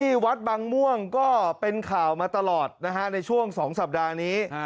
ที่วัดบางม่วงก็เป็นข่าวมาตลอดนะฮะในช่วง๒สัปดาห์นี้